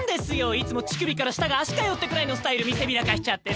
いつも乳首から下が脚かよってくらいのスタイル見せびらかしちゃってさ。